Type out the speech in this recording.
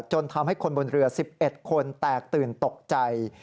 จนทำให้คนบนเรือ๑๑คนแตกตื่นตกใจ